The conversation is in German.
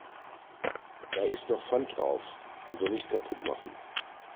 Da ist noch Pfand drauf, also nicht kaputt machen.